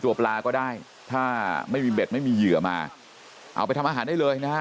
ตัวปลาก็ได้ถ้าไม่มีเบ็ตมีเหื่อมาเอาไปทำอาหารได้เลย